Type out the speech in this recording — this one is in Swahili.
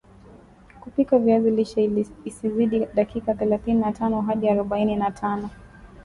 kupika viazi lishe isizidi dakika thelathini na tano hadi arobaini na tano